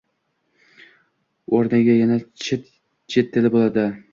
O‘rniga yana chet tili bo‘ldi